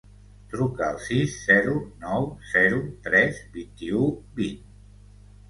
Truca al sis, zero, nou, zero, tres, vint-i-u, vint.